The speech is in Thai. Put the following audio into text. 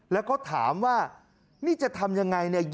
แล้วก็ถามว่านี่จะทำยังไงเนี่ย